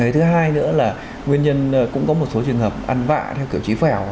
thứ hai nữa là nguyên nhân cũng có một số trường hợp ăn vạ theo kiểu chí phèo